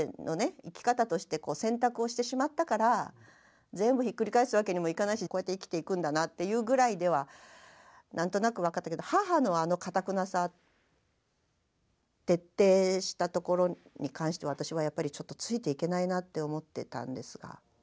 生き方としてこう選択をしてしまったから全部ひっくり返すわけにもいかないしこうやって生きていくんだなっていうぐらいでは何となく分かったけど母のあのかたくなさ徹底したところに関して私はやっぱりちょっとついていけないなって思ってたんですが。